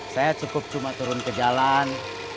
saya cukup cuma turun ke jalan